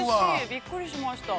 びっくりしました。